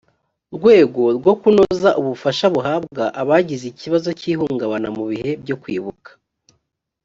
rwego rwo kunoza ubufasha buhabwa abagize ikibazo cy ihungabana mu bihe byo kwibuka